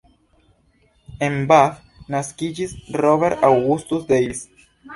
En Bath naskiĝis Robert Augustus Davis.